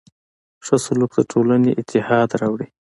ښه سلوک د ټولنې اتحاد راوړي.